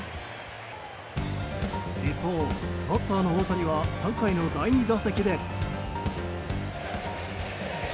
一方、バッターの大谷は３回の第２打席で。